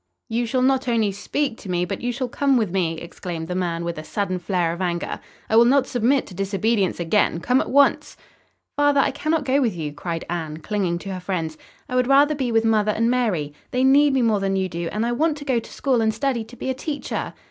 "You shall not only speak to me but you shall come with me," exclaimed the man, with a sudden flare of anger. "I will not submit to disobedience again. Come at once!" "Father, I cannot go with you," cried Anne, clinging to her friends. "I would rather be with mother and Mary. They need me more than you do and I want to go to school and study to be a teacher."